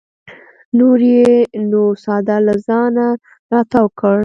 نور یې نو څادر له ځانه راتاو کړ.